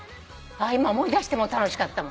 今思い出しても楽しかったもん。